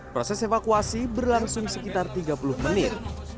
proses evakuasi berlangsung sekitar tiga puluh menit